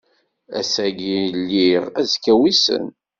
Ass-agi lliɣ, azekka wissen.